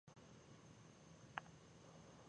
د وړکتونونو او پړاو ته مناسب وي.